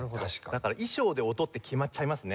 だから衣装で音って決まっちゃいますね。